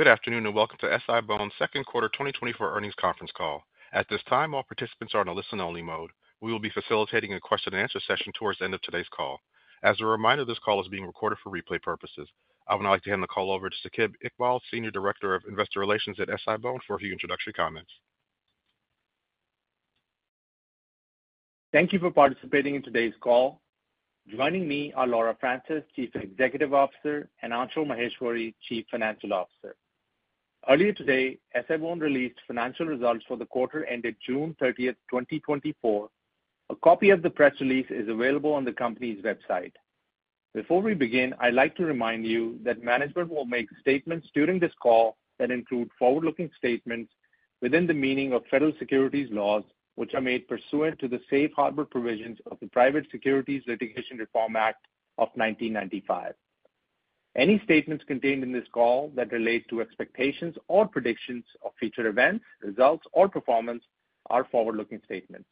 Good afternoon, and welcome to SI-BONE's Second Quarter 2024 Earnings Conference Call. At this time, all participants are on a listen-only mode. We will be facilitating a question-and-answer session towards the end of today's call. As a reminder, this call is being recorded for replay purposes. I would now like to hand the call over to Saqib Iqbal, Senior Director of Investor Relations at SI-BONE, for a few introductory comments. Thank you for participating in today's call. Joining me are Laura Francis, Chief Executive Officer, and Anshul Maheshwari, Chief Financial Officer. Earlier today, SI-BONE released financial results for the quarter ended June 30th, 2024. A copy of the press release is available on the company's website. Before we begin, I'd like to remind you that management will make statements during this call that include forward-looking statements within the meaning of federal securities laws, which are made pursuant to the safe harbor provisions of the Private Securities Litigation Reform Act of 1995. Any statements contained in this call that relate to expectations or predictions of future events, results, or performance are forward-looking statements.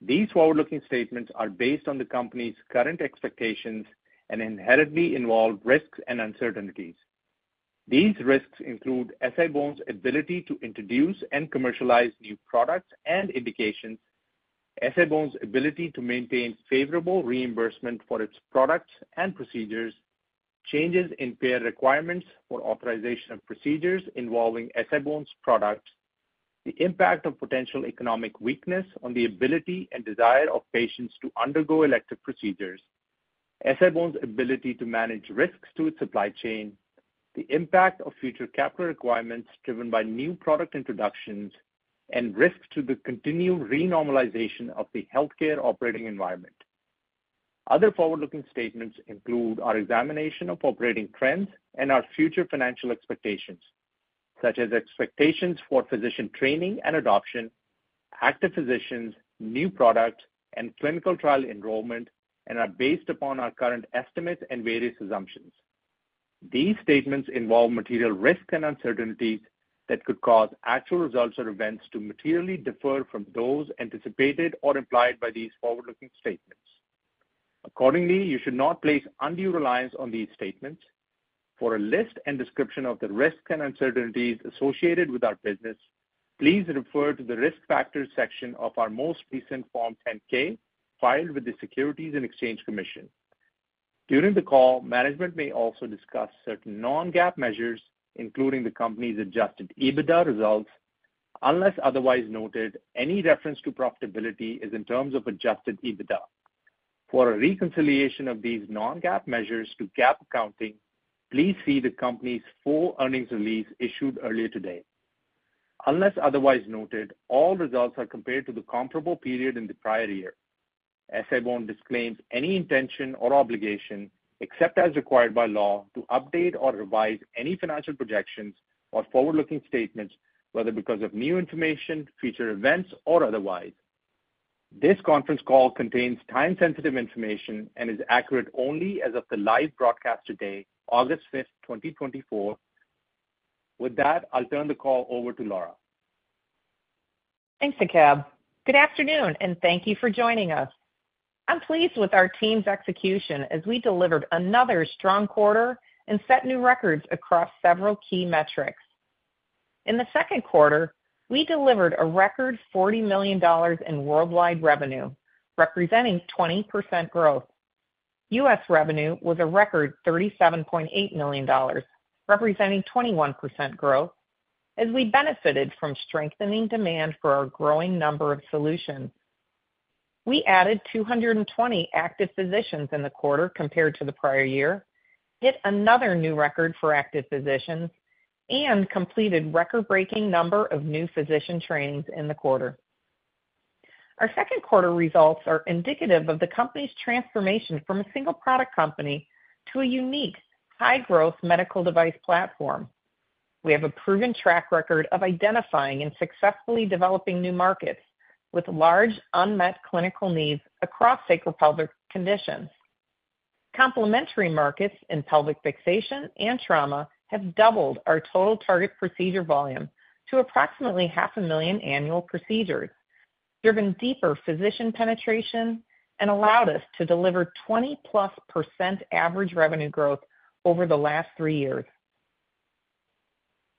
These forward-looking statements are based on the company's current expectations and inherently involve risks and uncertainties. These risks include SI-BONE's ability to introduce and commercialize new products and indications, SI-BONE's ability to maintain favorable reimbursement for its products and procedures, changes in payer requirements for authorization of procedures involving SI-BONE's products, the impact of potential economic weakness on the ability and desire of patients to undergo elective procedures, SI-BONE's ability to manage risks to its supply chain, the impact of future capital requirements driven by new product introductions, and risks to the continued renormalization of the healthcare operating environment. Other forward-looking statements include our examination of operating trends and our future financial expectations, such as expectations for physician training and adoption, active physicians, new products, and clinical trial enrollment, and are based upon our current estimates and various assumptions. These statements involve material risks and uncertainties that could cause actual results or events to materially differ from those anticipated or implied by these forward-looking statements. Accordingly, you should not place undue reliance on these statements. For a list and description of the risks and uncertainties associated with our business, please refer to the Risk Factors section of our most recent Form 10-K filed with the Securities and Exchange Commission. During the call, management may also discuss certain non-GAAP measures, including the company's adjusted EBITDA results. Unless otherwise noted, any reference to profitability is in terms of adjusted EBITDA. For a reconciliation of these non-GAAP measures to GAAP accounting, please see the company's full earnings release issued earlier today. Unless otherwise noted, all results are compared to the comparable period in the prior year. SI-BONE disclaims any intention or obligation, except as required by law, to update or revise any financial projections or forward-looking statements, whether because of new information, future events, or otherwise. This conference call contains time-sensitive information and is accurate only as of the live broadcast today, August 5th, 2024. With that, I'll turn the call over to Laura. Thanks, Saqib. Good afternoon, and thank you for joining us. I'm pleased with our team's execution as we delivered another strong quarter and set new records across several key metrics. In the second quarter, we delivered a record $40 million in worldwide revenue, representing 20% growth. U.S. revenue was a record $37.8 million, representing 21% growth, as we benefited from strengthening demand for our growing number of solutions. We added 220 active physicians in the quarter compared to the prior year, hit another new record for active physicians, and completed record-breaking number of new physician trainings in the quarter. Our second quarter results are indicative of the company's transformation from a single-product company to a unique, high-growth medical device platform. We have a proven track record of identifying and successfully developing new markets with large, unmet clinical needs across sacropelvic conditions. Complementary markets in pelvic fixation and trauma have doubled our total target procedure volume to approximately 500,000 annual procedures, driven deeper physician penetration and allowed us to deliver 20%+ average revenue growth over the last three years.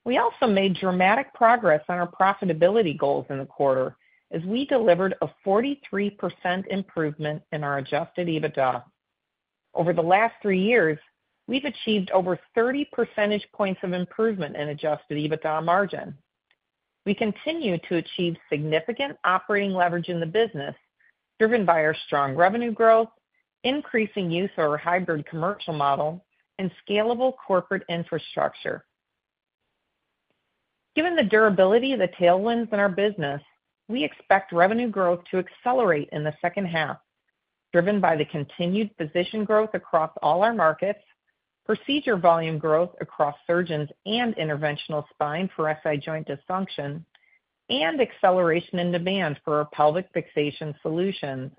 We also made dramatic progress on our profitability goals in the quarter as we delivered a 43% improvement in our Adjusted EBITDA. Over the last three years, we've achieved over 30 percentage points of improvement in Adjusted EBITDA margin. We continue to achieve significant operating leverage in the business, driven by our strong revenue growth, increasing use of our hybrid commercial model, and scalable corporate infrastructure. Given the durability of the tailwinds in our business, we expect revenue growth to accelerate in the second half, driven by the continued physician growth across all our markets, procedure volume growth across surgeons and interventional spine for SI joint dysfunction, and acceleration in demand for our pelvic fixation solutions.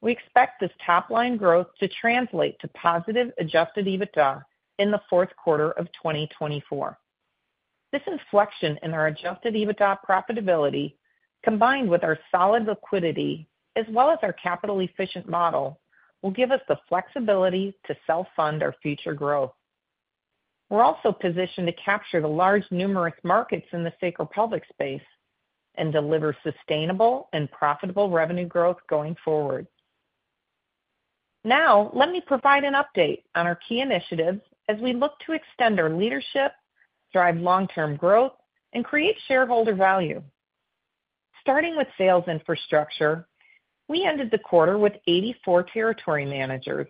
We expect this top-line growth to translate to positive adjusted EBITDA in the fourth quarter of 2024. This inflection in our adjusted EBITDA profitability, combined with our solid liquidity as well as our capital-efficient model, will give us the flexibility to self-fund our future growth. We're also positioned to capture the large, numerous markets in the sacropelvic space and deliver sustainable and profitable revenue growth going forward. Now, let me provide an update on our key initiatives as we look to extend our leadership, drive long-term growth, and create shareholder value. Starting with sales infrastructure, we ended the quarter with 84 territory managers,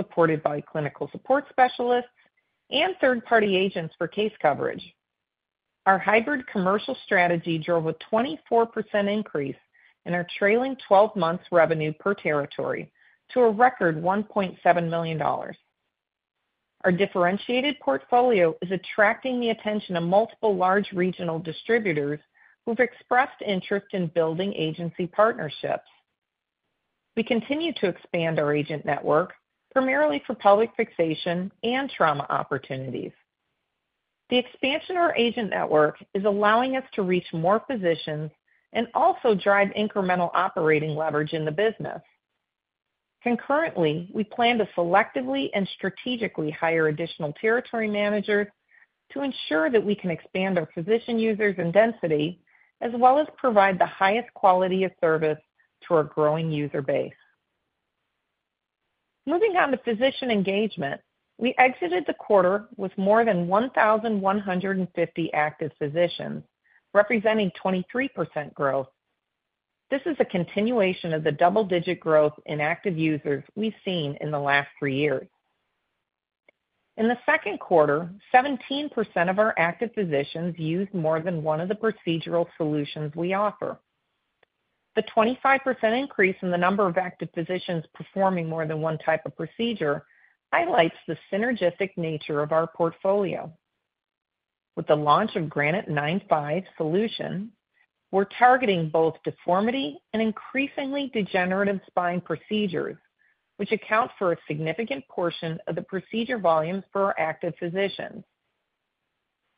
supported by clinical support specialists and third-party agents for case coverage. Our hybrid commercial strategy drove a 24% increase in our trailing twelve months revenue per territory to a record $1.7 million. Our differentiated portfolio is attracting the attention of multiple large regional distributors, who've expressed interest in building agency partnerships. We continue to expand our agent network, primarily for pelvic fixation and trauma opportunities. The expansion of our agent network is allowing us to reach more physicians and also drive incremental operating leverage in the business. Concurrently, we plan to selectively and strategically hire additional territory managers to ensure that we can expand our physician users and density, as well as provide the highest quality of service to our growing user base. Moving on to physician engagement, we exited the quarter with more than 1,150 active physicians, representing 23% growth. This is a continuation of the double-digit growth in active users we've seen in the last three years. In the second quarter, 17% of our active physicians used more than one of the procedural solutions we offer. The 25% increase in the number of active physicians performing more than one type of procedure highlights the synergistic nature of our portfolio. With the launch of Granite 9.5 solution, we're targeting both deformity and increasingly degenerative spine procedures, which account for a significant portion of the procedure volumes for our active physicians.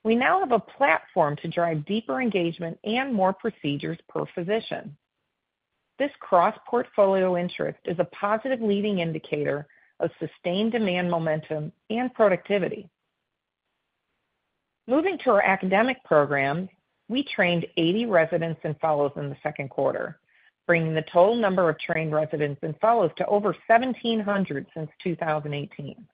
We now have a platform to drive deeper engagement and more procedures per physician. This cross-portfolio interest is a positive leading indicator of sustained demand, momentum, and productivity. Moving to our academic program, we trained 80 residents and fellows in the second quarter, bringing the total number of trained residents and fellows to over 1,700 since 2018.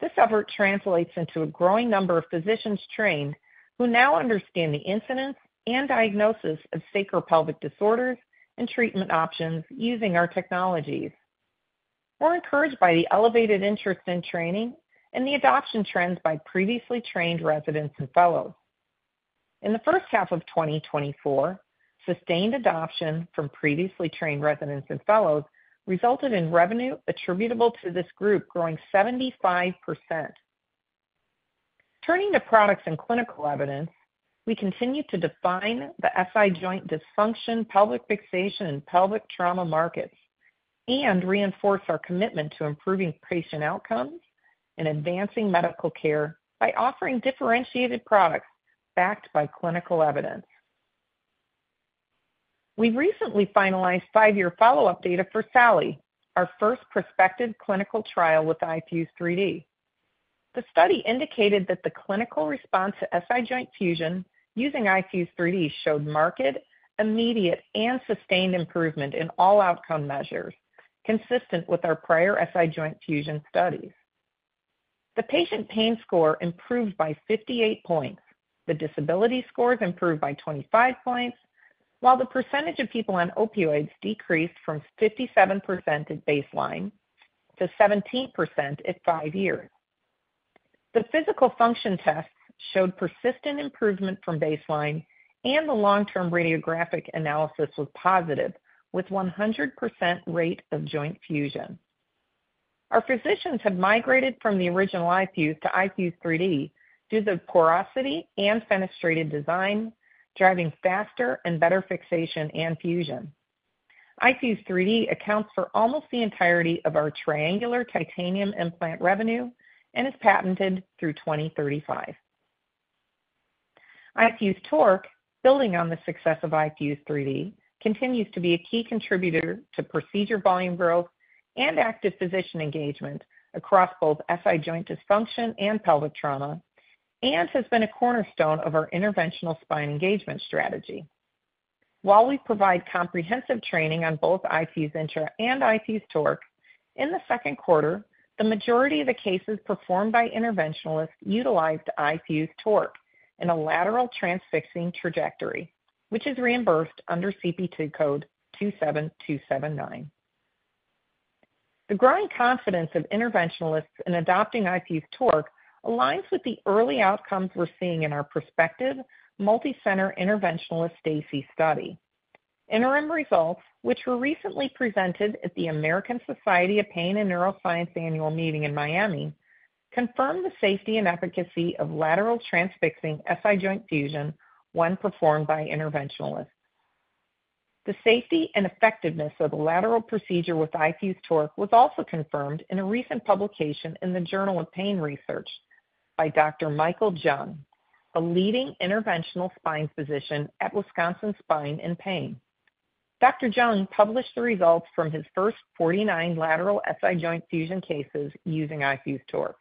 This effort translates into a growing number of physicians trained, who now understand the incidence and diagnosis of sacropelvic disorders and treatment options using our technologies. We're encouraged by the elevated interest in training and the adoption trends by previously trained residents and fellows. In the first half of 2024, sustained adoption from previously trained residents and fellows resulted in revenue attributable to this group growing 75%. Turning to products and clinical evidence, we continue to define the SI joint dysfunction, pelvic fixation, and pelvic trauma markets, and reinforce our commitment to improving patient outcomes and advancing medical care by offering differentiated products backed by clinical evidence. We recently finalized five-year follow-up data for SALLY, our first prospective clinical trial with iFuse 3D. The study indicated that the clinical response to SI joint fusion using iFuse 3D showed marked, immediate, and sustained improvement in all outcome measures, consistent with our prior SI joint fusion studies. The patient pain score improved by 58 points. The disability scores improved by 25 points, while the percentage of people on opioids decreased from 57% at baseline to 17% at five years. The physical function tests showed persistent improvement from baseline, and the long-term radiographic analysis was positive, with 100% rate of joint fusion. Our physicians have migrated from the original iFuse to iFuse 3D due to the porosity and fenestrated design, driving faster and better fixation and fusion. iFuse 3D accounts for almost the entirety of our triangular titanium implant revenue and is patented through 2035. iFuse TORQ, building on the success of iFuse 3D, continues to be a key contributor to procedure volume growth and active physician engagement across both SI joint dysfunction and pelvic trauma, and has been a cornerstone of our interventional spine engagement strategy. While we provide comprehensive training on both iFuse INTRA and iFuse TORQ, in the second quarter, the majority of the cases performed by interventionalists utilized iFuse TORQ in a lateral transfixing trajectory, which is reimbursed under CPT code 27279. The growing confidence of interventionalists in adopting iFuse TORQ aligns with the early outcomes we're seeing in our prospective multicenter interventionalist STACI study. Interim results, which were recently presented at the American Society of Pain and Neuroscience annual meeting in Miami, confirmed the safety and efficacy of lateral transfixing SI joint fusion when performed by an interventionalist. The safety and effectiveness of the lateral procedure with iFuse TORQ was also confirmed in a recent publication in the Journal of Pain Research by Dr. Michael Jung, a leading interventional spine physician at Wisconsin Spine and Pain. Dr. Jung published the results from his first 49 lateral SI joint fusion cases using iFuse TORQ.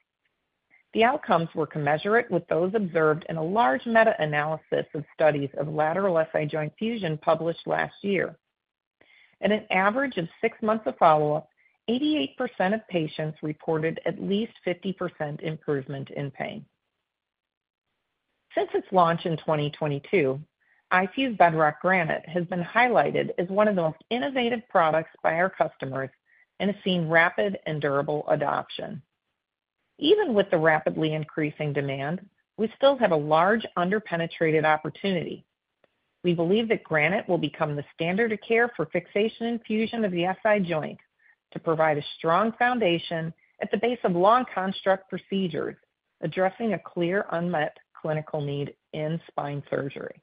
The outcomes were commensurate with those observed in a large meta-analysis of studies of lateral SI joint fusion published last year. At an average of six months of follow-up, 88% of patients reported at least 50% improvement in pain. Since its launch in 2022, iFuse Bedrock Granite has been highlighted as one of the most innovative products by our customers and has seen rapid and durable adoption. Even with the rapidly increasing demand, we still have a large under-penetrated opportunity. We believe that Granite will become the standard of care for fixation and fusion of the SI joint, to provide a strong foundation at the base of long construct procedures, addressing a clear, unmet clinical need in spine surgery.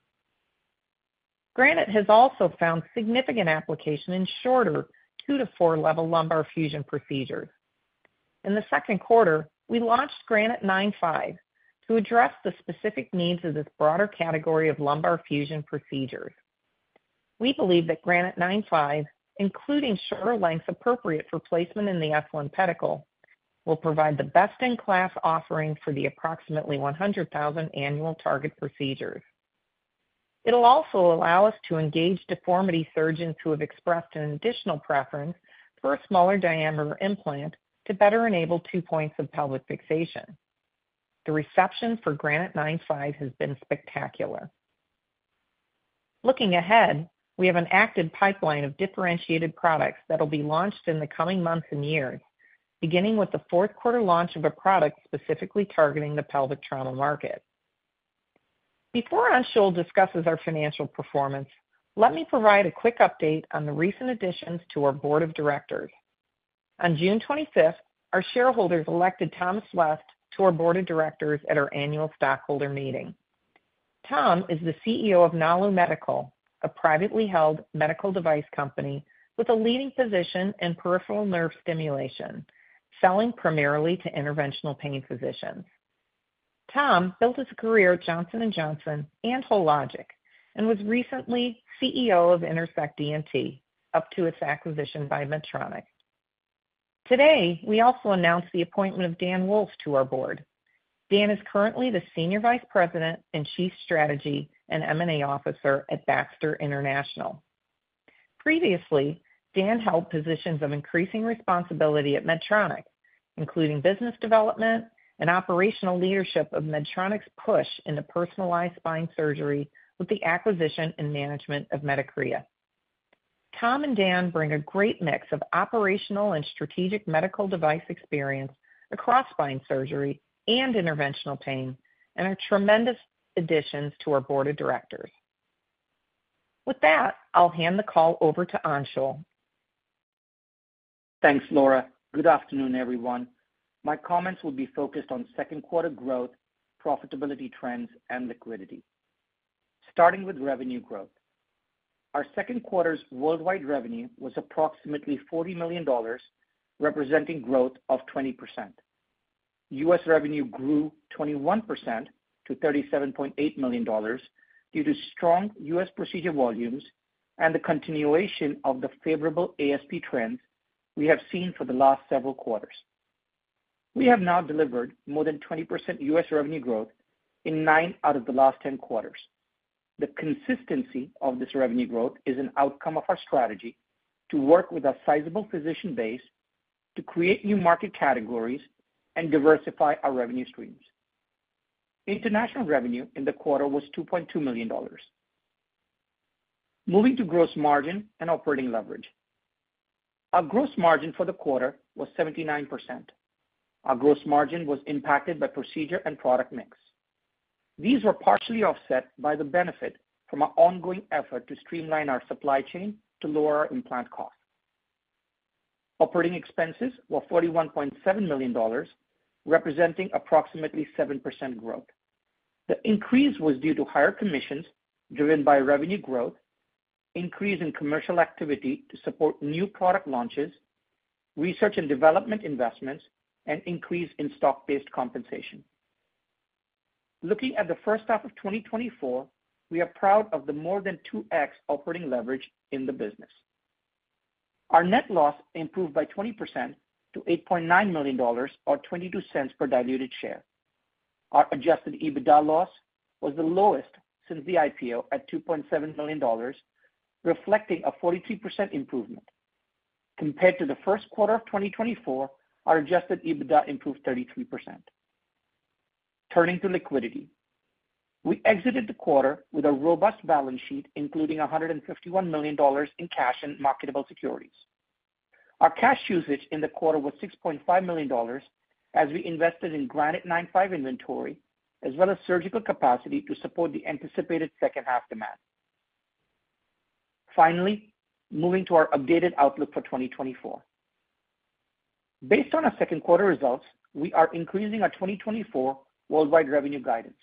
Granite has also found significant application in shorter two to four level lumbar fusion procedures. In the second quarter, we launched Granite 9.5 to address the specific needs of this broader category of lumbar fusion procedures. We believe that Granite 9.5, including shorter lengths appropriate for placement in the S1 pedicle, will provide the best-in-class offering for the approximately 100,000 annual target procedures. It'll also allow us to engage deformity surgeons who have expressed an additional preference for a smaller diameter implant to better enable two points of pelvic fixation. The reception for Granite 9.5 has been spectacular. Looking ahead, we have an active pipeline of differentiated products that will be launched in the coming months and years, beginning with the fourth quarter launch of a product specifically targeting the pelvic trauma market. Before Anshul discusses our financial performance, let me provide a quick update on the recent additions to our board of directors. On June 25th, our shareholders elected Thomas West to our Board of Directors at our annual stockholder meeting. Tom is the CEO of Nalu Medical, a privately held medical device company with a leading physician in peripheral nerve stimulation, selling primarily to interventional pain physicians. Tom built his career at Johnson & Johnson and Hologic, and was recently CEO of Intersect ENT, up to its acquisition by Medtronic. Today, we also announced the appointment of Dan Wolf to our Board. Dan is currently the Senior Vice President and Chief Strategy and M&A Officer at Baxter International. Previously, Dan held positions of increasing responsibility at Medtronic, including business development and operational leadership of Medtronic's push into personalized spine surgery with the acquisition and management of Medicrea. Tom and Dan bring a great mix of operational and strategic medical device experience across spine surgery and interventional pain, and are tremendous additions to our Board of Directors. With that, I'll hand the call over to Anshul. Thanks, Laura. Good afternoon, everyone. My comments will be focused on second quarter growth, profitability trends, and liquidity. Starting with revenue growth. Our second quarter's worldwide revenue was approximately $40 million, representing growth of 20%. U.S. revenue grew 21% to $37.8 million due to strong U.S. procedure volumes and the continuation of the favorable ASP trends we have seen for the last several quarters. We have now delivered more than 20% U.S. revenue growth in nine out of the last 10 quarters. The consistency of this revenue growth is an outcome of our strategy to work with a sizable physician base to create new market categories and diversify our revenue streams. International revenue in the quarter was $2.2 million. Moving to gross margin and operating leverage. Our gross margin for the quarter was 79%. Our gross margin was impacted by procedure and product mix. These were partially offset by the benefit from our ongoing effort to streamline our supply chain to lower our implant costs. Operating expenses were $41.7 million, representing approximately 7% growth. The increase was due to higher commissions driven by revenue growth, increase in commercial activity to support new product launches, research and development investments, and increase in stock-based compensation. Looking at the first half of 2024, we are proud of the more than 2x operating leverage in the business. Our net loss improved by 20% to $8.9 million, or $0.22 per diluted share. Our adjusted EBITDA loss was the lowest since the IPO at $2.7 million, reflecting a 43% improvement. Compared to the first quarter of 2024, our adjusted EBITDA improved 33%. Turning to liquidity. We exited the quarter with a robust balance sheet, including $151 million in cash and marketable securities. Our cash usage in the quarter was $6.5 million, as we invested in Granite 9.5 inventory, as well as surgical capacity to support the anticipated second half demand. Finally, moving to our updated outlook for 2024. Based on our second quarter results, we are increasing our 2024 worldwide revenue guidance.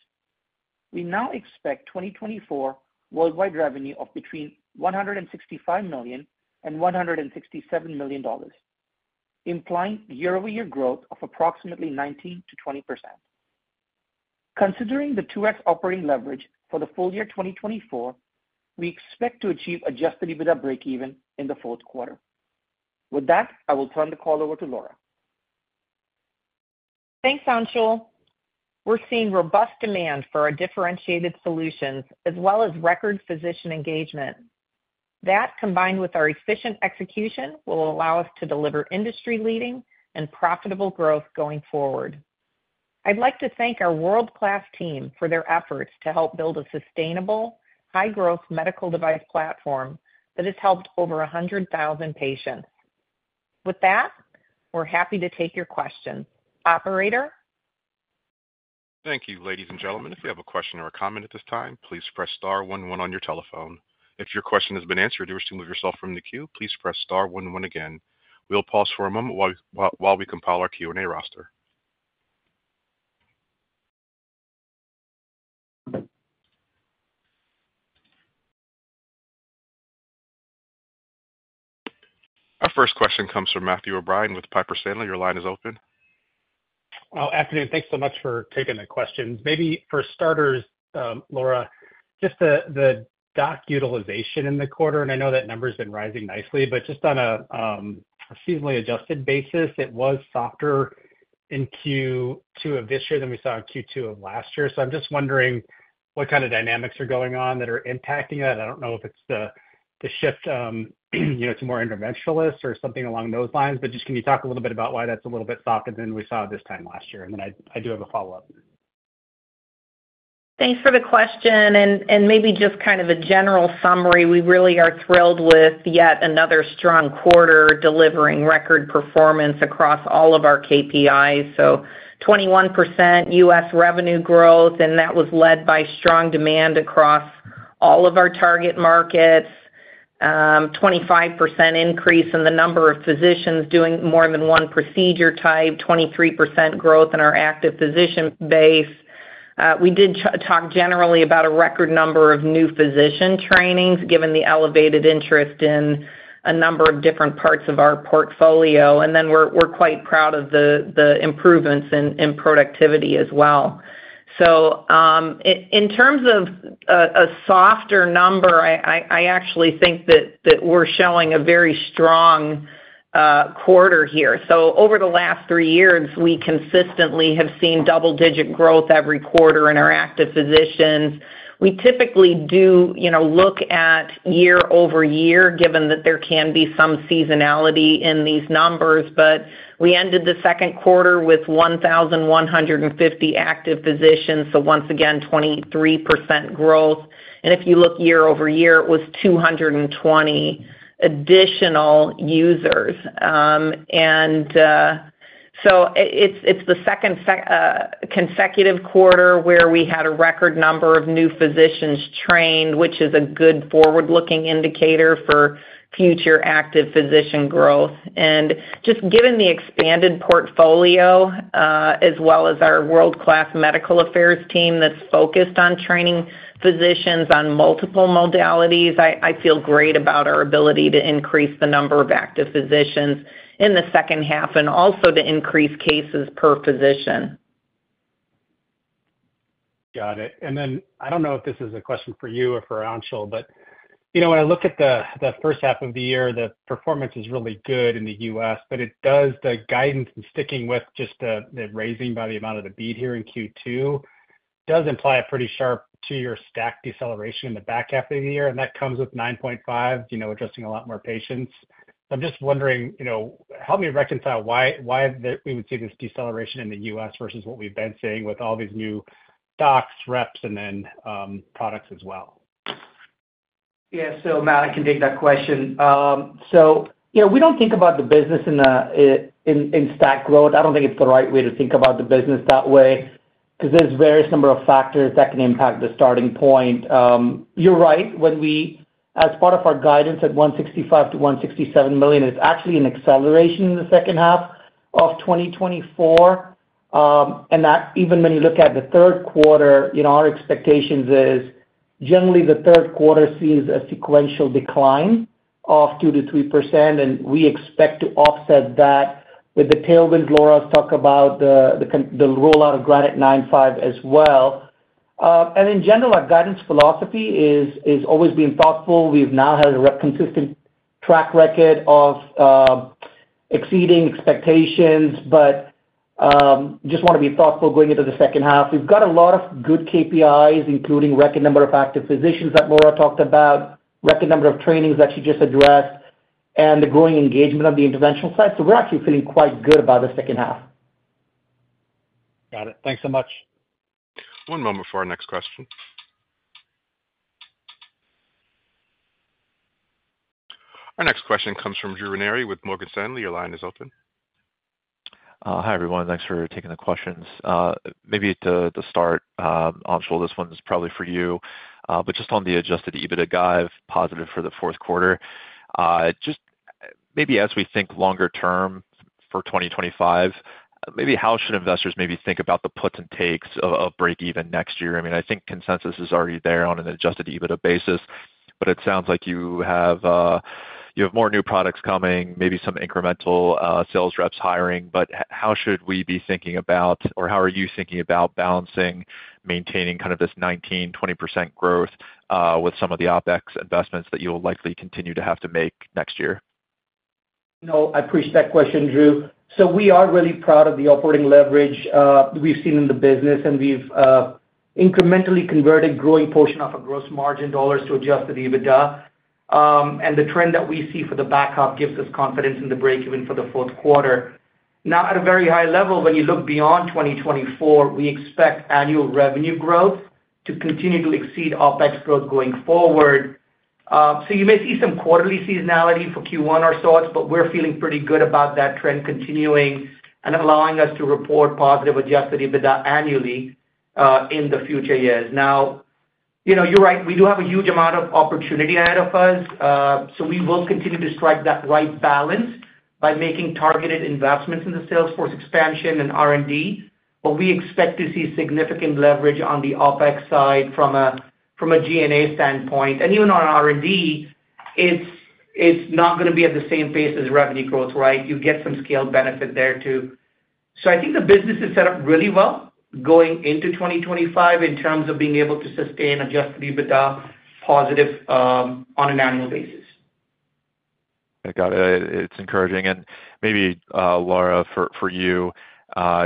We now expect 2024 worldwide revenue of between $165 million and $167 million, implying year-over-year growth of approximately 19%-20%. Considering the 2x operating leverage for the full year 2024, we expect to achieve Adjusted EBITDA breakeven in the fourth quarter. With that, I will turn the call over to Laura. Thanks, Anshul. We're seeing robust demand for our differentiated solutions as well as record physician engagement. That, combined with our efficient execution, will allow us to deliver industry-leading and profitable growth going forward. I'd like to thank our world-class team for their efforts to help build a sustainable, high-growth medical device platform that has helped over 100,000 patients. With that, we're happy to take your questions. Operator? Thank you, ladies and gentlemen. If you have a question or a comment at this time, please press star one one on your telephone. If your question has been answered, you wish to remove yourself from the queue, please press star one one again. We'll pause for a moment while we compile our Q&A roster. Our first question comes from Matthew O'Brien with Piper Sandler. Your line is open. Good afternoon. Thanks so much for taking the question. Maybe for starters, Laura, just the doc utilization in the quarter, and I know that number's been rising nicely, but just on a seasonally adjusted basis, it was softer in Q2 of this year than we saw in Q2 of last year. So I'm just wondering what kind of dynamics are going on that are impacting that. I don't know if it's the shift, you know, to more interventionalists or something along those lines, but just can you talk a little bit about why that's a little bit softer than we saw this time last year? And then I do have a follow-up. Thanks for the question, and maybe just kind of a general summary. We really are thrilled with yet another strong quarter, delivering record performance across all of our KPIs. So 21% U.S. revenue growth, and that was led by strong demand across all of our target markets. 25% increase in the number of physicians doing more than one procedure type, 23% growth in our active physician base. We did talk generally about a record number of new physician trainings, given the elevated interest in a number of different parts of our portfolio, and then we're quite proud of the improvements in productivity as well. So, in terms of a softer number, I actually think that we're showing a very strong quarter here. So over the last three years, we consistently have seen double-digit growth every quarter in our active physicians. We typically do, you know, look at year-over-year, given that there can be some seasonality in these numbers, but we ended the second quarter with 1,150 active physicians, so once again, 23% growth. And if you look year-over-year, it was 220 additional users. It's the second consecutive quarter where we had a record number of new physicians trained, which is a good forward-looking indicator for future active physician growth. Just given the expanded portfolio, as well as our world-class medical affairs team that's focused on training physicians on multiple modalities, I feel great about our ability to increase the number of active physicians in the second half, and also to increase cases per physician. Got it. And then I don't know if this is a question for you or for Anshul, but, you know, when I look at the first half of the year, the performance is really good in the U.S., but it does... The guidance and sticking with just the raising by the amount of the beat here in Q2, does imply a pretty sharp two-year stack deceleration in the back half of the year, and that comes with 9.5, you know, addressing a lot more patients. So I'm just wondering, you know, help me reconcile why, why we would see this deceleration in the U.S. versus what we've been seeing with all these new docs, reps, and then, products as well. Yeah. So Matt, I can take that question. So, you know, we don't think about the business in a, in, in stack growth. I don't think it's the right way to think about the business that way, because there's various number of factors that can impact the starting point. You're right, as part of our guidance at $165 million-$167 million, it's actually an acceleration in the second half of 2024. And that even when you look at the third quarter, you know, our expectations is generally the third quarter sees a sequential decline of 2%-3%, and we expect to offset that with the tailwind Laura's talked about, the rollout of Granite 9.5 as well. And in general, our guidance philosophy is always being thoughtful. We've now had a consistent track record of exceeding expectations, but just wanna be thoughtful going into the second half. We've got a lot of good KPIs, including record number of active physicians that Laura talked about, record number of trainings that she just addressed, and the growing engagement on the interventional side. So we're actually feeling quite good about the second half. Got it. Thanks so much. One moment for our next question. Our next question comes from Drew Ranieri with Morgan Stanley. Your line is open. Hi, everyone. Thanks for taking the questions. Maybe to start, Anshul, this one is probably for you. But just on the Adjusted EBITDA guide, positive for the fourth quarter. Just maybe as we think longer term for 2025, maybe how should investors maybe think about the puts and takes of break even next year? I mean, I think consensus is already there on an Adjusted EBITDA basis, but it sounds like you have more new products coming, maybe some incremental sales reps hiring. But how should we be thinking about or how are you thinking about balancing, maintaining kind of this 19%-20% growth with some of the OpEx investments that you'll likely continue to have to make next year? You know, I appreciate that question, Drew. So we are really proud of the operating leverage we've seen in the business, and we've incrementally converted growing portion of our gross margin dollars to Adjusted EBITDA. And the trend that we see for the back half gives us confidence in the break even for the fourth quarter. Now, at a very high level, when you look beyond 2024, we expect annual revenue growth to continue to exceed OpEx growth going forward. So you may see some quarterly seasonality for Q1 or so, but we're feeling pretty good about that trend continuing and allowing us to report positive Adjusted EBITDA annually, in the future years. Now, you know, you're right, we do have a huge amount of opportunity ahead of us, so we will continue to strike that right balance by making targeted investments in the salesforce expansion and R&D. But we expect to see significant leverage on the OpEx side from a, from a G&A standpoint. And even on R&D, it's, it's not gonna be at the same pace as revenue growth, right? You get some scaled benefit there, too. So I think the business is set up really well, going into 2025 in terms of being able to sustain Adjusted EBITDA positive, on an annual basis. I got it. It's encouraging. And maybe, Laura, for you,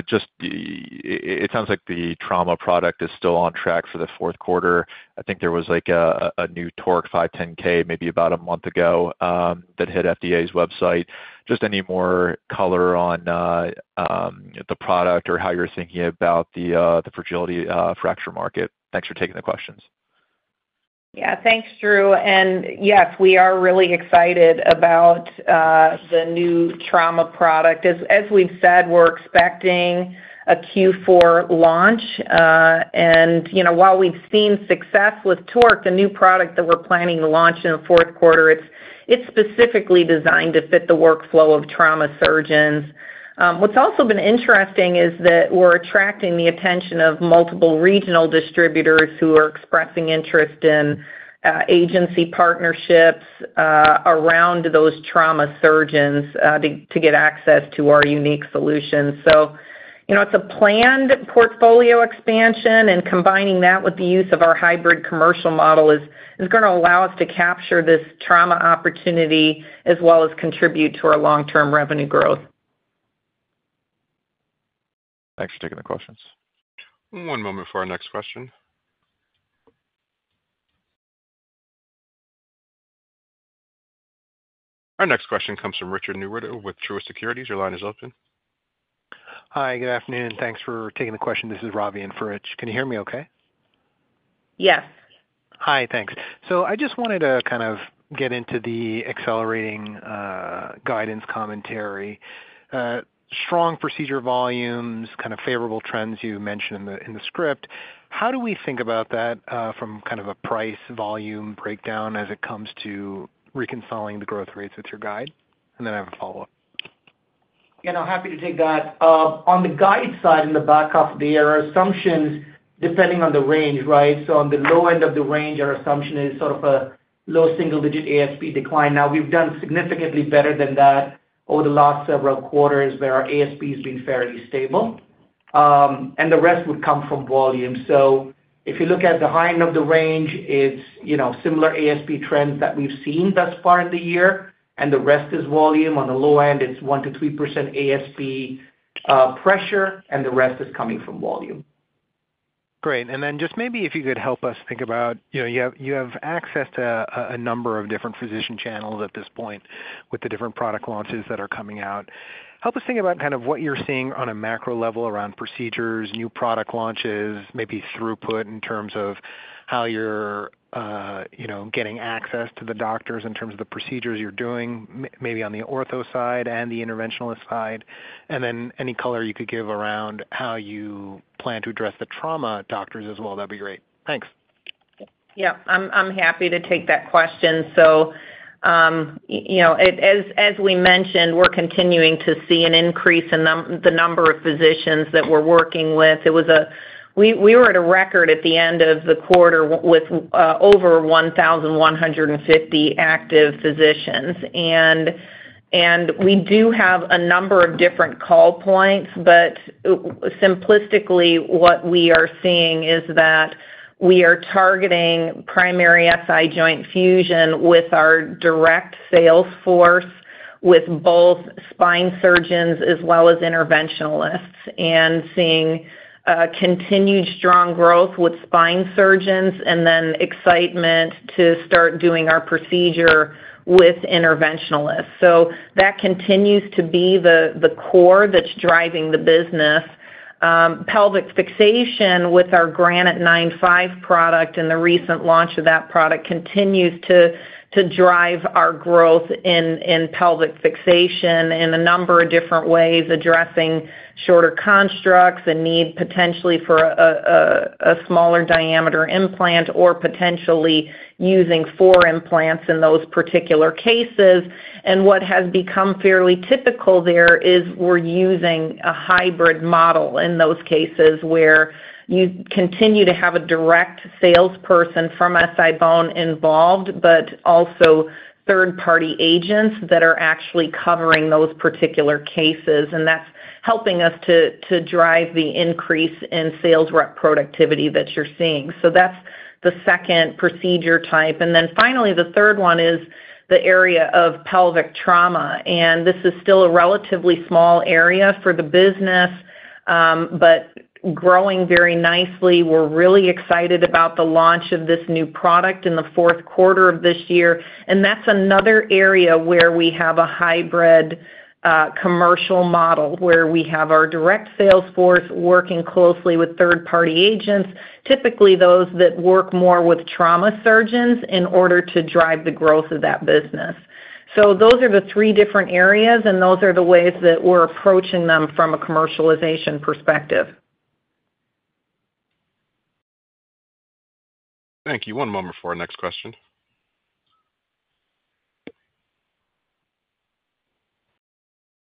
just it, it sounds like the trauma product is still on track for the fourth quarter. I think there was, like, a new TORQ 510(k) maybe about a month ago, that hit FDA's website. Just any more color on, the product or how you're thinking about the, the fragility fracture market? Thanks for taking the questions. Yeah. Thanks, Drew, and yes, we are really excited about the new trauma product. As we've said, we're expecting a Q4 launch. And, you know, while we've seen success with TORQ, the new product that we're planning to launch in the fourth quarter, it's specifically designed to fit the workflow of trauma surgeons. What's also been interesting is that we're attracting the attention of multiple regional distributors who are expressing interest in agency partnerships around those trauma surgeons to get access to our unique solutions. So, you know, it's a planned portfolio expansion, and combining that with the use of our hybrid commercial model is gonna allow us to capture this trauma opportunity, as well as contribute to our long-term revenue growth. Thanks for taking the questions. One moment for our next question. Our next question comes from Richard Newitter with Truist Securities. Your line is open. Hi, good afternoon. Thanks for taking the question. This is Ravi in for Rich. Can you hear me okay? Yes. Hi, thanks. So I just wanted to kind of get into the accelerating guidance commentary. Strong procedure volumes, kind of favorable trends you mentioned in the script. How do we think about that from kind of a price volume breakdown as it comes to reconciling the growth rates with your guide? And then I have a follow-up. Yeah, and I'm happy to take that. On the guide side, in the back half, there are assumptions depending on the range, right? So on the low end of the range, our assumption is sort of a low single-digit ASP decline. Now, we've done significantly better than that over the last several quarters, where our ASP has been fairly stable, and the rest would come from volume. So if you look at the high end of the range, it's, you know, similar ASP trends that we've seen thus far in the year, and the rest is volume. On the low end, it's 1%-3% ASP pressure, and the rest is coming from volume. Great. And then just maybe if you could help us think about, you know, you have access to a number of different physician channels at this point with the different product launches that are coming out. Help us think about kind of what you're seeing on a macro level around procedures, new product launches, maybe throughput in terms of how you're, you know, getting access to the doctors in terms of the procedures you're doing, maybe on the ortho side and the interventionalist side. And then any color you could give around how you plan to address the trauma doctors as well, that'd be great. Thanks. Yeah, I'm happy to take that question. So, you know, as we mentioned, we're continuing to see an increase in the number of physicians that we're working with. We were at a record at the end of the quarter with over 1,150 active physicians. And we do have a number of different call points, but, simplistically, what we are seeing is that we are targeting primary SI joint fusion with our direct sales force, with both spine surgeons as well as interventionalists, and seeing continued strong growth with spine surgeons and then excitement to start doing our procedure with interventionalists. So that continues to be the core that's driving the business. Pelvic fixation with our Granite 9.5 product, and the recent launch of that product continues to drive our growth in pelvic fixation in a number of different ways, addressing shorter constructs, a need potentially for a smaller diameter implant or potentially using four implants in those particular cases. And what has become fairly typical there is we're using a hybrid model in those cases where you continue to have a direct salesperson from SI-BONE involved, but also third-party agents that are actually covering those particular cases. And that's helping us to drive the increase in sales rep productivity that you're seeing. So that's the second procedure type. And then finally, the third one is the area of pelvic trauma, and this is still a relatively small area for the business, but growing very nicely. We're really excited about the launch of this new product in the fourth quarter of this year. That's another area where we have a hybrid commercial model, where we have our direct sales force working closely with third-party agents, typically those that work more with trauma surgeons, in order to drive the growth of that business. Those are the three different areas, and those are the ways that we're approaching them from a commercialization perspective. Thank you. One moment for our next question.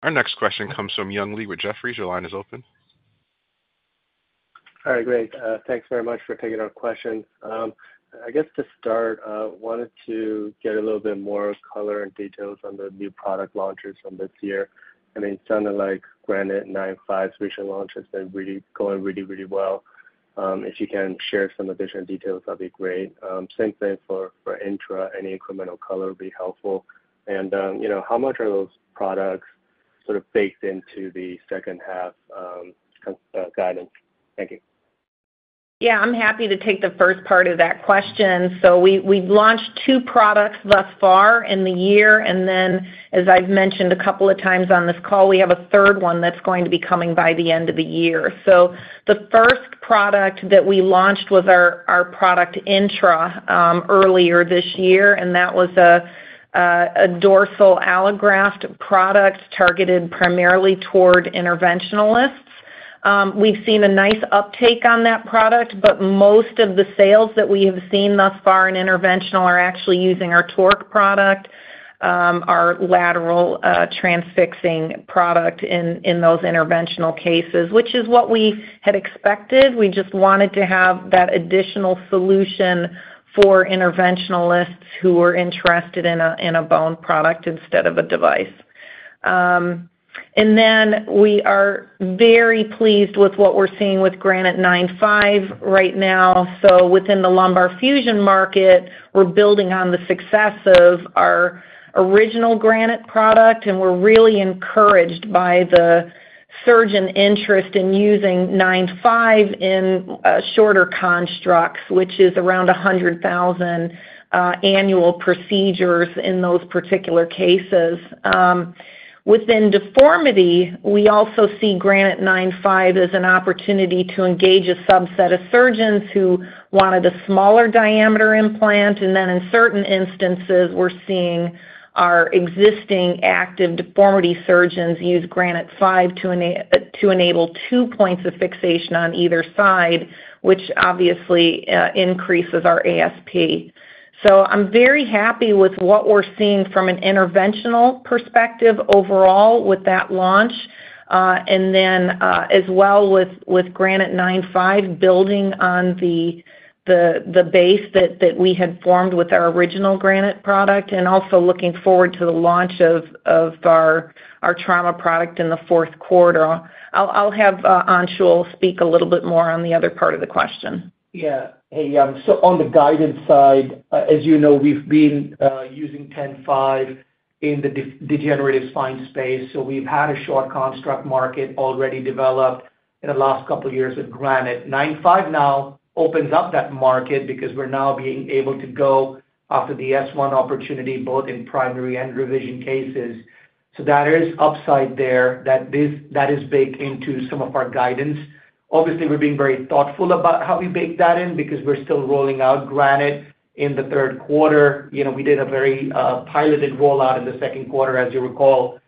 Our next question comes from Young Li with Jefferies. Your line is open. All right, great. Thanks very much for taking our question. I guess to start, wanted to get a little bit more color and details on the new product launches from this year. I mean, it sounded like Granite 9.5 recent launch has been really, going really, really well. If you can share some additional details, that'd be great. Same thing for, for INTRA, any incremental color would be helpful. And, you know, how much are those products sort of baked into the second half guidance? Thank you. Yeah, I'm happy to take the first part of that question. So we, we've launched two products thus far in the year, and then, as I've mentioned a couple of times on this call, we have a third one that's going to be coming by the end of the year. So the first product that we launched was our, our product, INTRA, earlier this year, and that was a, a dorsal allograft product targeted primarily toward interventionalists. We've seen a nice uptake on that product, but most of the sales that we have seen thus far in interventional are actually using our TORQ product, our lateral, transfixing product in, in those interventional cases, which is what we had expected. We just wanted to have that additional solution for interventionalists who were interested in a, in a bone product instead of a device. And then we are very pleased with what we're seeing with Granite 9.5 right now. So within the lumbar fusion market, we're building on the success of our original Granite product, and we're really encouraged by the surgeon interest in using 9.5 in shorter constructs, which is around 100,000 annual procedures in those particular cases. Within deformity, we also see Granite 9.5 as an opportunity to engage a subset of surgeons who wanted a smaller diameter implant. And then in certain instances, we're seeing our existing active deformity surgeons use Granite 9.5 to enable two points of fixation on either side, which obviously increases our ASP. So I'm very happy with what we're seeing from an interventional perspective overall with that launch. And then, as well with Granite 9.5, building on the base that we had formed with our original Granite product, and also looking forward to the launch of our trauma product in the fourth quarter. I'll have Anshul speak a little bit more on the other part of the question. Yeah. Hey, so on the guidance side, as you know, we've been using 10.5 in the degenerative spine space. So we've had a short construct market already developed in the last couple of years with Granite. 9.5 now opens up that market because we're now being able to go after the S1 opportunity, both in primary and revision cases. So there is upside there that is, that is baked into some of our guidance. Obviously, we're being very thoughtful about how we bake that in because we're still rolling out Granite in the third quarter. You know, we did a very piloted rollout in the second quarter, as you recall,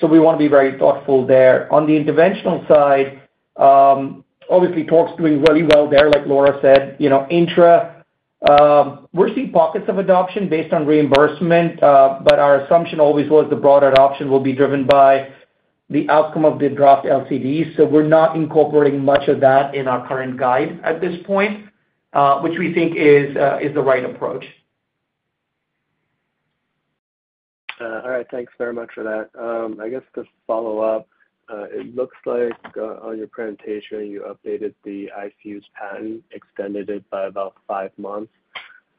so we want to be very thoughtful there. On the interventional side, obviously, TORQ's doing really well there, like Laura said. You know, INTRA, we're seeing pockets of adoption based on reimbursement, but our assumption always was the broader adoption will be driven by the outcome of the draft LCD. So we're not incorporating much of that in our current guide at this point, which we think is the right approach. All right. Thanks very much for that. I guess to follow up, it looks like on your presentation, you updated the iFuse patent, extended it by about five months.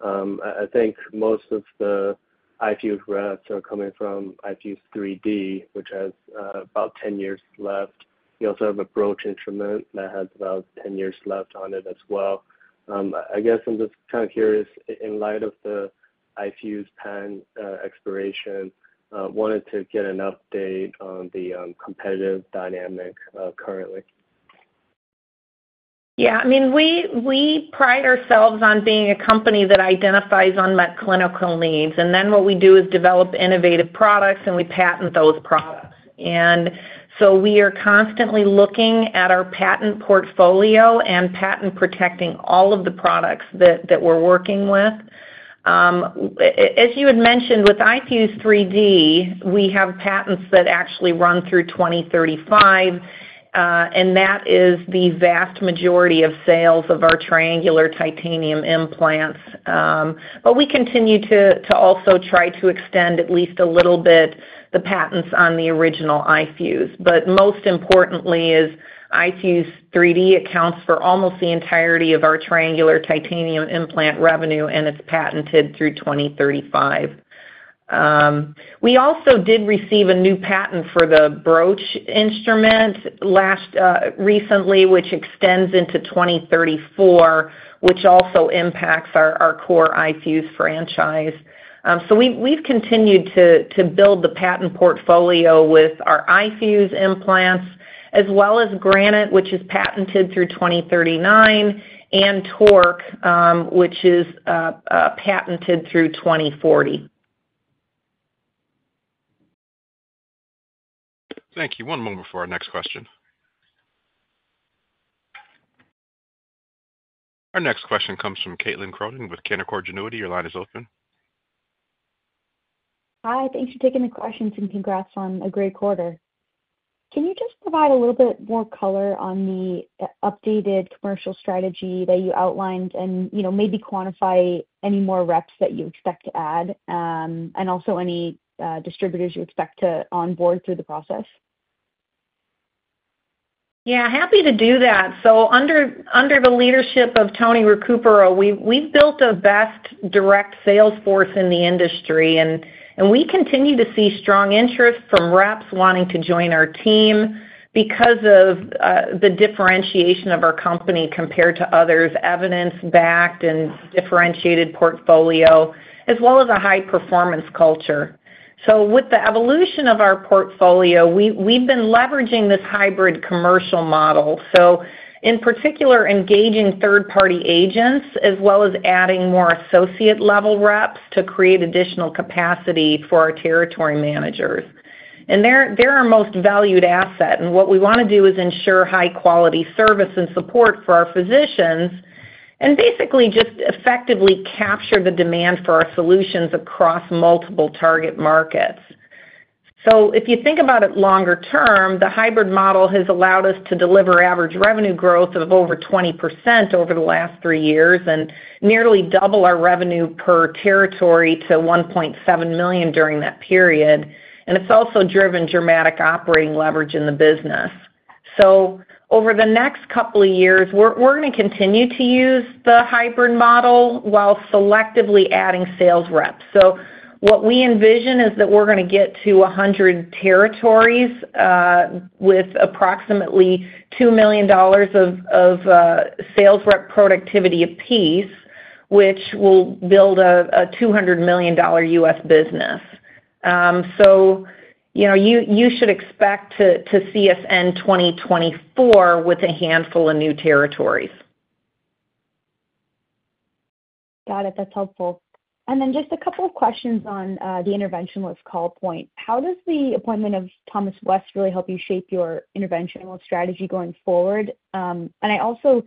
I think most of the iFuse grafts are coming from iFuse 3D, which has about 10 years left. You also have a broach instrument that has about 10 years left on it as well. I guess I'm just kind of curious, in light of the iFuse patent expiration, wanted to get an update on the competitive dynamic currently. Yeah, I mean, we pride ourselves on being a company that identifies unmet clinical needs, and then what we do is develop innovative products, and we patent those products. And so we are constantly looking at our patent portfolio and patent protecting all of the products that we're working with. As you had mentioned, with iFuse 3D, we have patents that actually run through 2035, and that is the vast majority of sales of our triangular titanium implants. But we continue to also try to extend at least a little bit the patents on the original iFuse. But most importantly is iFuse 3D accounts for almost the entirety of our triangular titanium implant revenue, and it's patented through 2035. We also did receive a new patent for the broach instrument last recently, which extends into 2034, which also impacts our core iFuse franchise. So we've continued to build the patent portfolio with our iFuse implants, as well as Granite, which is patented through 2039, and TORQ, which is patented through 2040. Thank you. One moment for our next question. Our next question comes from Caitlin Cronin with Canaccord Genuity. Your line is open. Hi, thanks for taking the questions, and congrats on a great quarter. Can you just provide a little bit more color on the updated commercial strategy that you outlined and, you know, maybe quantify any more reps that you expect to add, and also any distributors you expect to onboard through the process? Yeah, happy to do that. So under the leadership of Tony Recupero, we've built the best direct sales force in the industry. And we continue to see strong interest from reps wanting to join our team because of the differentiation of our company compared to others, evidence-backed and differentiated portfolio, as well as a high-performance culture. So with the evolution of our portfolio, we've been leveraging this hybrid commercial model, so in particular, engaging third-party agents, as well as adding more associate-level reps to create additional capacity for our territory managers. And they're our most valued asset, and what we wanna do is ensure high-quality service and support for our physicians and basically just effectively capture the demand for our solutions across multiple target markets. So if you think about it longer term, the hybrid model has allowed us to deliver average revenue growth of over 20% over the last three years, and nearly double our revenue per territory to $1.7 million during that period. And it's also driven dramatic operating leverage in the business. So over the next couple of years, we're gonna continue to use the hybrid model while selectively adding sales reps. So what we envision is that we're gonna get to 100 territories with approximately $2 million of sales rep productivity a piece, which will build a $200 million U.S. business. So you know, you should expect to see us end 2024 with a handful of new territories. Got it. That's helpful. And then just a couple of questions on the interventionalist call point. How does the appointment of Thomas West really help you shape your interventional strategy going forward? And I also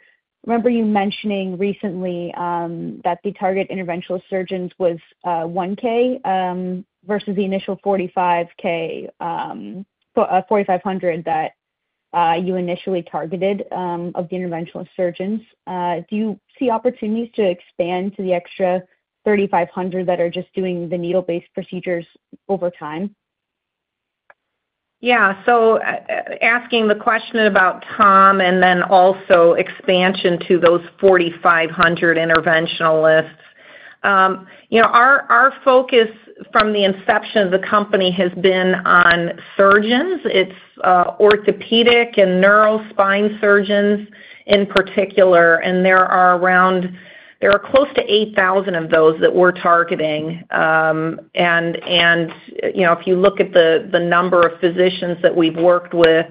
remember you mentioning recently that the target interventional surgeons was 1,000 versus the initial 4,500 that you initially targeted of the interventional surgeons. Do you see opportunities to expand to the extra 3,500 that are just doing the needle-based procedures over time? Yeah, so asking the question about Tom and then also expansion to those 4,500 interventionalists. You know, our focus from the inception of the company has been on surgeons. It's orthopedic and neuro spine surgeons in particular, and there are close to 8,000 of those that we're targeting. You know, if you look at the number of physicians that we've worked with,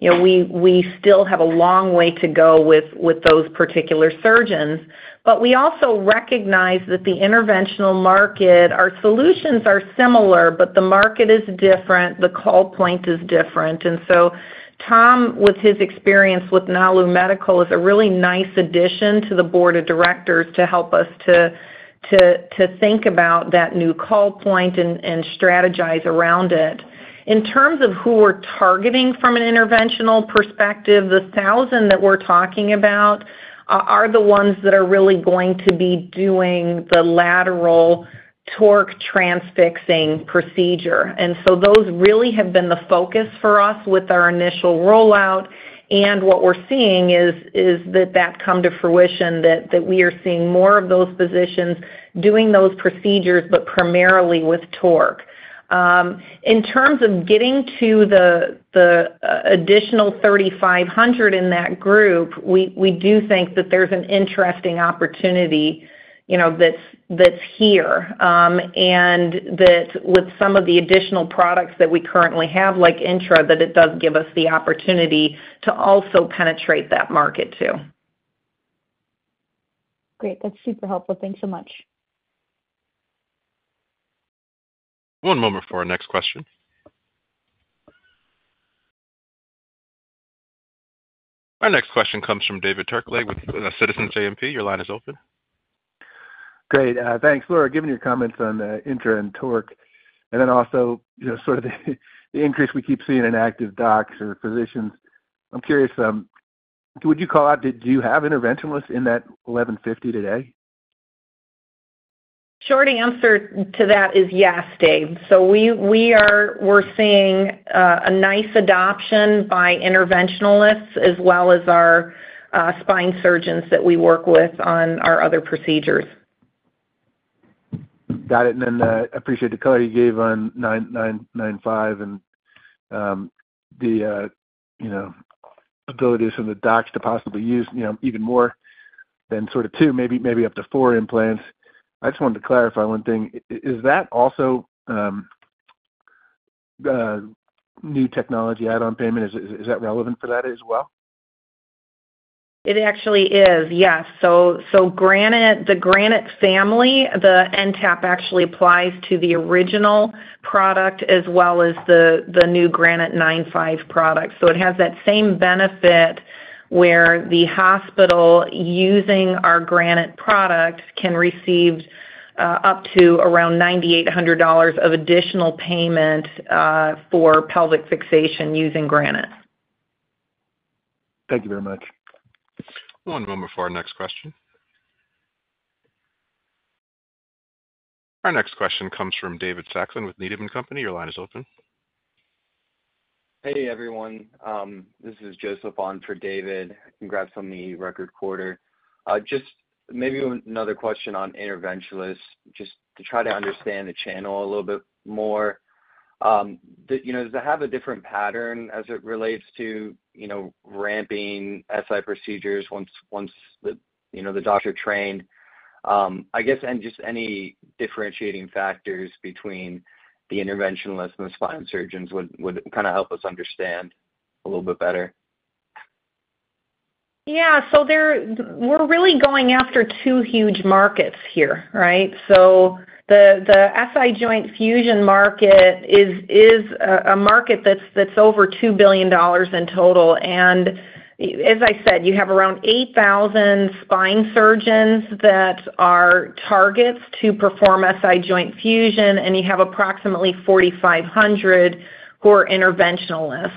you know, we still have a long way to go with those particular surgeons. But we also recognize that the interventional market, our solutions are similar, but the market is different, the call point is different. And so Tom, with his experience with Nalu Medical, is a really nice addition to the board of directors to help us to think about that new call point and strategize around it. In terms of who we're targeting from an interventional perspective, the 1,000 that we're talking about are the ones that are really going to be doing the lateral TORQ transfixing procedure. And so those really have been the focus for us with our initial rollout, and what we're seeing is that that come to fruition, that we are seeing more of those physicians doing those procedures, but primarily with TORQ. In terms of getting to the additional 3,500 in that group, we do think that there's an interesting opportunity... you know, that's here. And that with some of the additional products that we currently have, like INTRA, that it does give us the opportunity to also penetrate that market, too. Great. That's super helpful. Thanks so much. One moment for our next question. Our next question comes from David Turkaly with Citizens JMP. Your line is open. Great, thanks. Laura, given your comments on, INTRA and TORQ, and then also, you know, sort of the increase we keep seeing in active docs or physicians, I'm curious, would you call out, did you have interventionalists in that 1,150 today? Short answer to that is yes, Dave. So we are—we're seeing a nice adoption by interventionalists as well as our spine surgeons that we work with on our other procedures. Got it, appreciate the color you gave on 9.5 and the you know abilities from the docs to possibly use, you know, even more than sort of two, maybe up to four implants. I just wanted to clarify one thing. Is that also New Technology Add-on Payment? Is that relevant for that as well? It actually is, yes. So Granite, the Granite family, the NTAP actually applies to the original product as well as the new Granite 9.5 product. So it has that same benefit, where the hospital using our Granite product can receive up to around $9,800 of additional payment for pelvic fixation using Granite. Thank you very much. One moment for our next question. Our next question comes from David Saxon with Needham & Company. Your line is open. Hey, everyone, this is Joseph on for David. Congrats on the record quarter. Just maybe one another question on interventionalists, just to try to understand the channel a little bit more. The, you know, does it have a different pattern as it relates to, you know, ramping SI procedures once the, you know, the doctor trained? I guess, and just any differentiating factors between the interventionalists and the spine surgeons would kind of help us understand a little bit better. Yeah, so we're really going after two huge markets here, right? So the SI joint fusion market is a market that's over $2 billion in total. And as I said, you have around 8,000 spine surgeons that are targets to perform SI joint fusion, and you have approximately 4,500 who are interventionalists.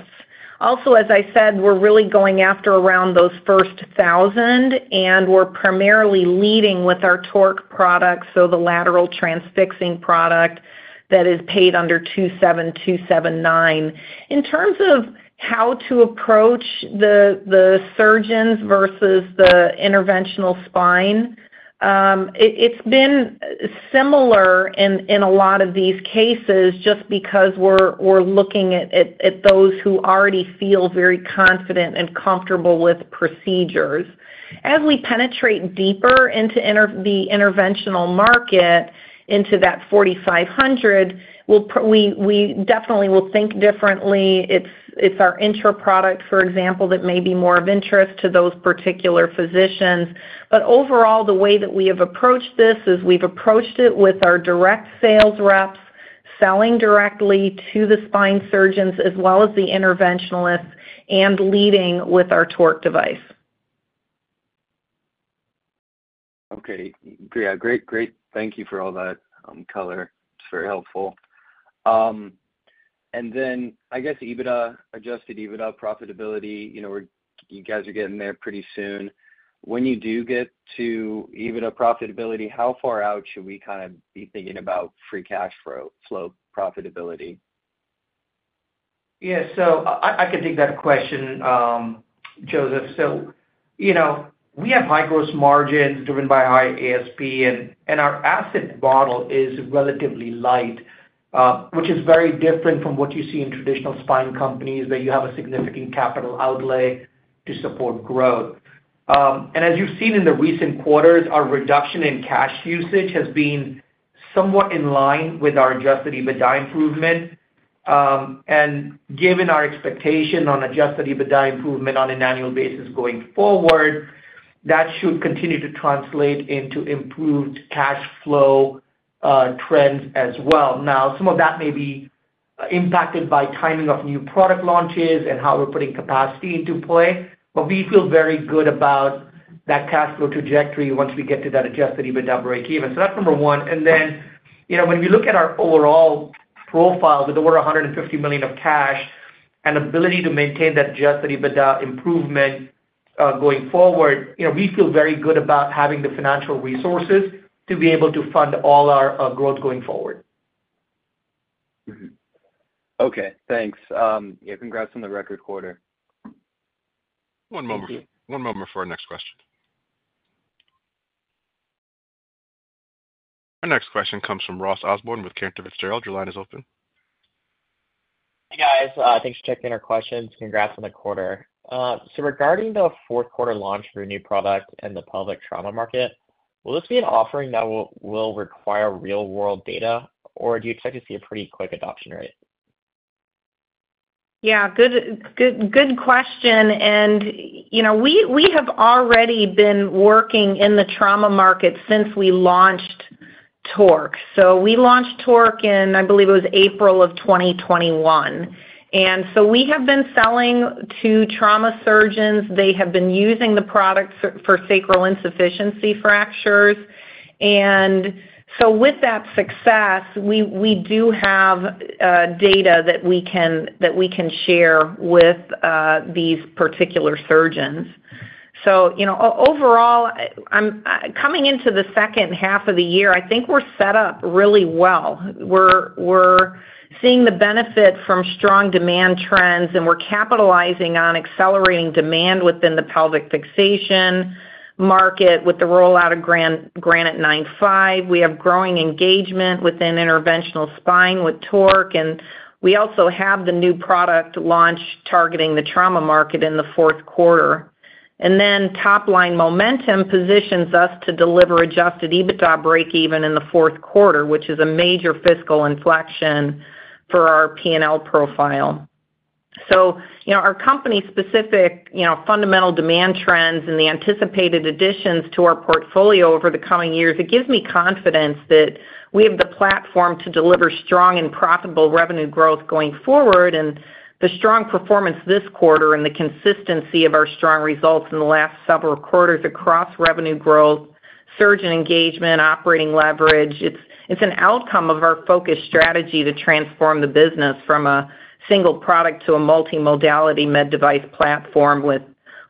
Also, as I said, we're really going after around those first 1,000, and we're primarily leading with our torque products, so the lateral transfixing product that is paid under 27279. In terms of how to approach the surgeons versus the interventional spine, it's been similar in a lot of these cases, just because we're looking at those who already feel very confident and comfortable with procedures. As we penetrate deeper into the interventional market, into that 4,500, we'll we, we definitely will think differently. It's, it's our INTRA product, for example, that may be more of interest to those particular physicians. But overall, the way that we have approached this is we've approached it with our direct sales reps, selling directly to the spine surgeons as well as the interventionalists, and leading with our TORQ device. Okay. Great, great, great. Thank you for all that, color. It's very helpful. And then I guess EBITDA, Adjusted EBITDA profitability, you know, you guys are getting there pretty soon. When you do get to EBITDA profitability, how far out should we kind of be thinking about free cash flow profitability? Yeah, so I can take that question, Joseph. So, you know, we have high gross margins driven by high ASP, and our asset model is relatively light, which is very different from what you see in traditional spine companies, where you have a significant capital outlay to support growth. And as you've seen in the recent quarters, our reduction in cash usage has been somewhat in line with our Adjusted EBITDA improvement. And given our expectation on Adjusted EBITDA improvement on an annual basis going forward, that should continue to translate into improved cash flow trends as well. Now, some of that may be impacted by timing of new product launches and how we're putting capacity into play, but we feel very good about that cash flow trajectory once we get to that Adjusted EBITDA breakeven. So that's number one. You know, when we look at our overall profile with over $150 million of cash and ability to maintain that adjusted EBITDA improvement, going forward, you know, we feel very good about having the financial resources to be able to fund all our growth going forward. Mm-hmm. Okay, thanks. Yeah, congrats on the record quarter. One moment- Thank you. One moment for our next question. Our next question comes from Ross Osborn with Cantor Fitzgerald. Your line is open. Hey, guys. Thanks for checking our questions. Congrats on the quarter. So regarding the fourth quarter launch for your new product in the pelvic trauma market, will this be an offering that will require real-world data, or do you expect to see a pretty quick adoption rate? Yeah, good, good, good question, and, you know, we have already been working in the trauma market since we launched TORQ. So we launched TORQ in, I believe it was April of 2021, and so we have been selling to trauma surgeons. They have been using the product for sacral insufficiency fractures. And so with that success, we do have data that we can share with these particular surgeons. So, you know, overall, I'm coming into the second half of the year, I think we're set up really well. We're seeing the benefit from strong demand trends, and we're capitalizing on accelerating demand within the pelvic fixation market with the rollout of Granite 9.5. We have growing engagement within interventional spine with TORQ, and we also have the new product launch targeting the trauma market in the fourth quarter. Then top-line momentum positions us to deliver adjusted EBITDA breakeven in the fourth quarter, which is a major fiscal inflection for our P&L profile. So, you know, our company-specific, you know, fundamental demand trends and the anticipated additions to our portfolio over the coming years, it gives me confidence that we have the platform to deliver strong and profitable revenue growth going forward. The strong performance this quarter and the consistency of our strong results in the last several quarters across revenue growth, surgeon engagement, operating leverage, it's, it's an outcome of our focused strategy to transform the business from a single product to a multimodality med device platform with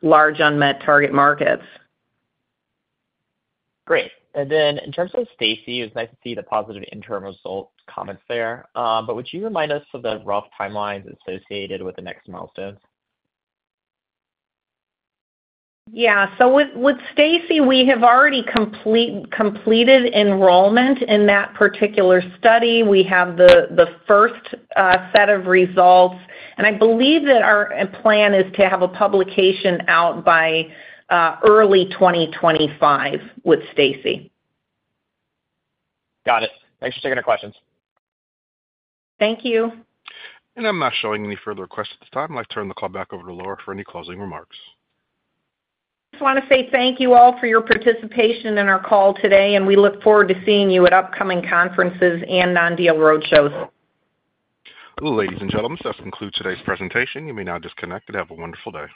large unmet target markets. Great. And then in terms of STACI, it was nice to see the positive interim results comments there. But would you remind us of the rough timelines associated with the next milestones? Yeah. So with STACI, we have already completed enrollment in that particular study. We have the first set of results, and I believe that our plan is to have a publication out by early 2025 with STACI. Got it. Thanks for taking the questions. Thank you. I'm not showing any further requests at this time. I'd like to turn the call back over to Laura for any closing remarks. Just wanna say thank you all for your participation in our call today, and we look forward to seeing you at upcoming conferences and non-deal roadshows. Well, ladies and gentlemen, this concludes today's presentation. You may now disconnect and have a wonderful day.